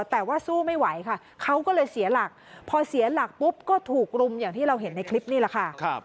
แต่ว่าสู้ไม่ไหวค่ะเขาก็เลยเสียหลักพอเสียหลักปุ๊บก็ถูกรุมอย่างที่เราเห็นในคลิปนี่แหละค่ะ